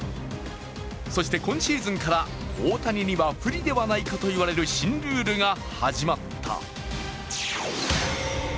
そして今シーズンから大谷には不利ではないかと言われる新ルールが始まった。